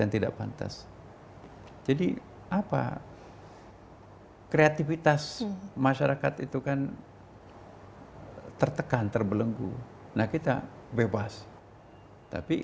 yang tidak pantas jadi apa kreativitas masyarakat itu kan tertekan terbelenggu nah kita bebas tapi